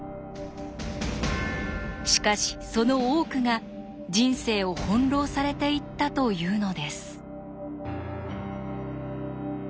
しかしその多くが人生を翻弄されていったというのです。